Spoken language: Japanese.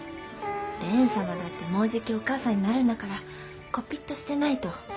蓮様だってもうじきお母さんになるんだからこぴっとしてないと。